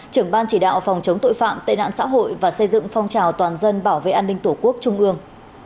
trưởng ban chỉ đạo phòng chống tội phạm tệ nạn xã hội và xây dựng phong trào toàn dân bảo vệ an ninh tổ quốc trung ương